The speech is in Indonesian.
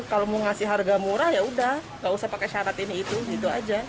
kalau mau ngasih harga murah yaudah nggak usah pakai syarat ini itu gitu aja